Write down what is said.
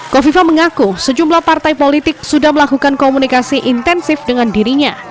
kofifa mengaku sejumlah partai politik sudah melakukan komunikasi intensif dengan dirinya